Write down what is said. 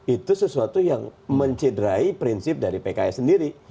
itu sesuatu yang mencederai prinsip dari pks sendiri